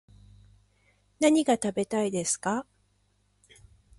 何が食べたいですか